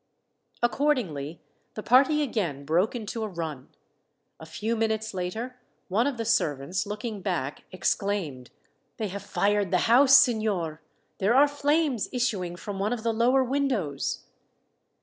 Accordingly, the party again broke into a run. A few minutes later one of the servants, looking back, exclaimed: "They have fired the house, signor. There are flames issuing from one of the lower windows."